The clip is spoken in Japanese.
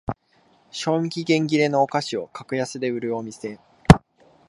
賞味期限切れのお菓子を格安で売るお店